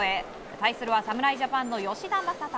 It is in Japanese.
対するは侍ジャパンの吉田正尚。